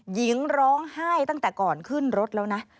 หญิงร้องไห้ตั้งแต่ก่อนขึ้นรถแล้วนะ